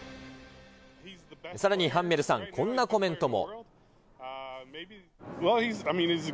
さらにハンメルさん、こんなコメントも。